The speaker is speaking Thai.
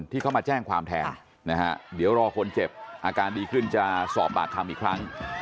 ที่เขามาแจ้งความแทนนะฮะเดี๋ยวรอคนเจ็บอาการดีขึ้นจะสอบปากคำอีกครั้ง